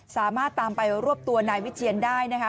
สามารถตามไปรวบตัวนายวิเชียนได้นะคะ